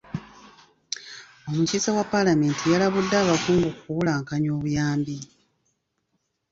Omukiise wa paalamenti yalabudde abakungu ku kubulankanya obuyambi.